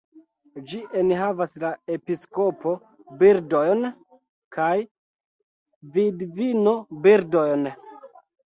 Ĝi enhavas la "episkopo-birdojn" kaj "vidvino-birdojn".